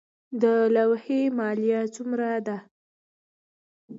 د لوحې مالیه څومره ده؟